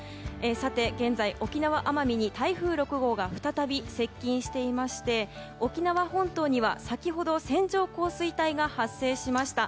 現在、沖縄、奄美に台風６号が再び接近していまして沖縄本島には先ほど線状降水帯が発生しました。